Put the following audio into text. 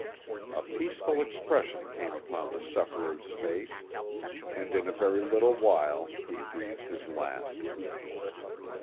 A peaceful expression came upon the sufferer's face, and in a very little while he breathed his last."